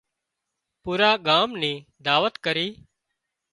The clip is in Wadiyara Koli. پوُرا ڳام نِي دعوت ڪرِي